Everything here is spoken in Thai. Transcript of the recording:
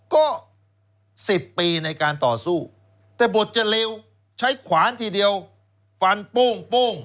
ก็๑๐ปีในการต่อสู้แต่บทจะเร็วใช้ขวานทีเดียวฟันโป้ง